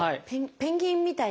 ペンギンみたいな。